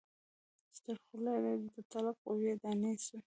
چي تر خوله یې د تلک خوږې دانې سوې